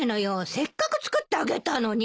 せっかく作ってあげたのに！